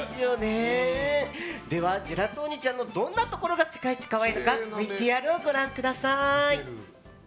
ではジェラトーニちゃんのどんなところが世界一可愛いかＶＴＲをご覧ください。